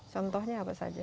contohnya apa saja